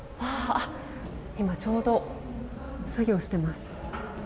今、ちょうど作業しています。